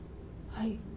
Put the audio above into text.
はい。